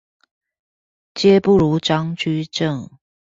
皆不如張居正